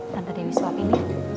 tante dewi suapin ya